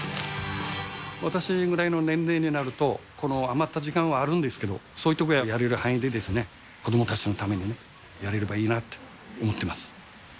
私ぐらいの年齢になると、余った時間はあるんですけど、そういうところはやれる範囲でですね、子どもたちのためにやれればいいなって思ってます。